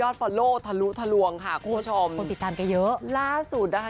เชอร์รี่อย่าพูด